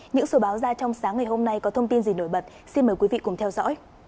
những số báo ra trong sáng ngày hôm nay có thông tin gì nổi bật xin mời quý vị cùng theo dõi